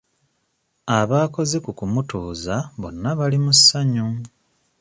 Abaakoze ku kumutuuza bonna bali mu ssanyu.